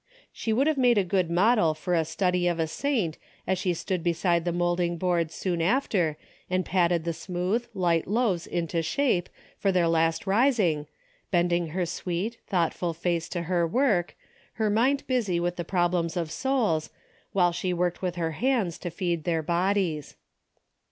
She would have made a good model for a study of a saint as she stood beside the moulding board soon after and patted the smooth, light loaves into shape for their last rising, bending her sweet, thoughtful face to her work, her mind busy with the problems of souls, while she worked with her hands to feed their bodies.